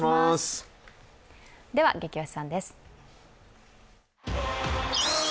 では、「ゲキ推しさん」です。